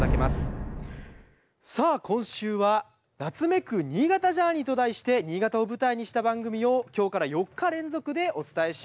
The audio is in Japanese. さあ今週は「夏めく！新潟Ｊｏｕｒｎｅｙ」と題して新潟を舞台にした番組を今日から４日連続でお伝えします！